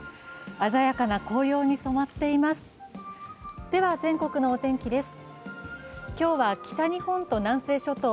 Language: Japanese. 鮮やかな紅葉に染まっています。